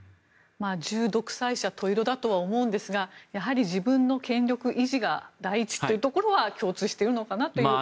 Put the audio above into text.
十独裁者十色だとは思いますがやはり自分の権力維持が第一というのは共通しているのかなと。